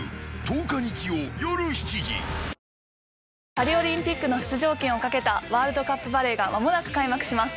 パリオリンピックの出場権を懸けたワールドカップバレーが間もなく開幕します。